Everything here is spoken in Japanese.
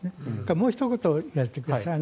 もうひと言言わせてください。